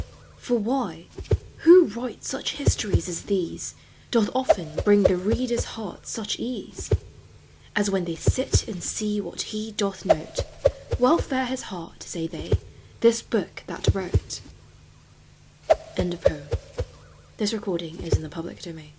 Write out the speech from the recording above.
For why, who writes such histories as these Doth often bring the reader's heart such ea As when they sit and see what he doth note, Well fare his heart, say they, this book thai WTO JOHN HIGGW& V. THE ARTS. INFLUENCE OF MUSIC. FROM " KING